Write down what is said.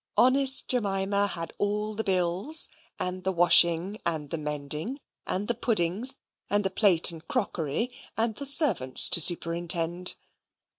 Honest Jemima had all the bills, and the washing, and the mending, and the puddings, and the plate and crockery, and the servants to superintend.